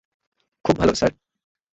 খুব ভালো, স্যার।